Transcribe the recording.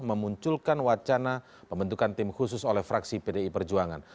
memunculkan wacana pembentukan tim khusus oleh fraksi pdi perjuangan